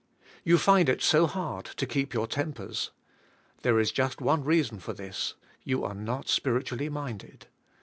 You find it so hard to keep your tem pers. There is just one reason for this; you are not spiritually minded.